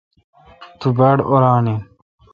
تو باڑ اوران این۔